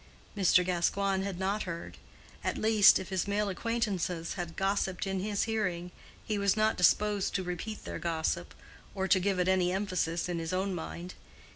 Mr. Gascoigne had not heard; at least, if his male acquaintances had gossiped in his hearing, he was not disposed to repeat their gossip, or to give it any emphasis in his own mind.